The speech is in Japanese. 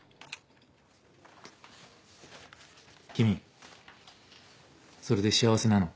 君それで幸せなの？